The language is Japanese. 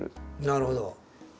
なるほど！